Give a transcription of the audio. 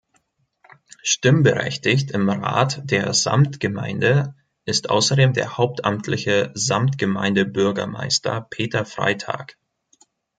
Stimmberechtigt im Rat der Samtgemeinde ist außerdem der hauptamtliche Samtgemeindebürgermeister Peter Freytag.